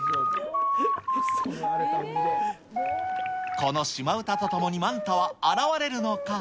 この島唄とともに、マンタは現れるのか。